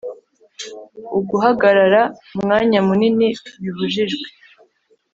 uguhagarara umwanya munini bibujijwe